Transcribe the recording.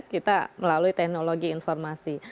kita melalui teknologi informasi